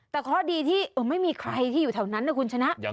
แต่เคราะห์ดีที่ไม่มีใครที่อยู่แถวนั้นนะคุณชนะ